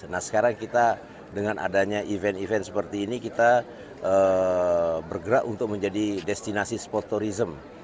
nah sekarang kita dengan adanya event event seperti ini kita bergerak untuk menjadi destinasi sport tourism